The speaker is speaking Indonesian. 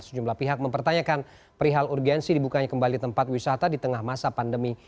sejumlah pihak mempertanyakan perihal urgensi dibukanya kembali tempat wisata di tengah masa pandemi